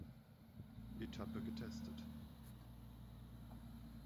Etappe getestet.